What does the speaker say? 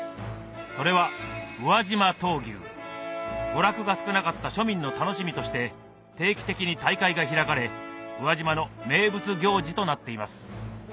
それは娯楽が少なかった庶民の楽しみとして定期的に大会が開かれ宇和島の名物行事となっています